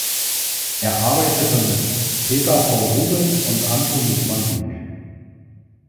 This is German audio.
Er arbeitete mit Peter Paul Rubens und Anthonis van Dyck.